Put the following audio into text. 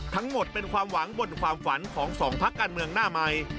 ทั้งหมดเป็นความหวังบนความฝันของสองพักการเมืองหน้าใหม่